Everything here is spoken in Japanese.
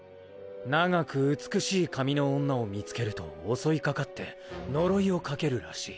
長く美しい髪の女を見つけると襲いかかって呪いをかけるらしい。